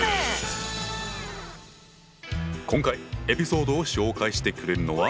今回エピソードを紹介してくれるのは。